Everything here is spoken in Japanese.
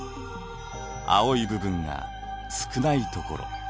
青い部分が少ないところ。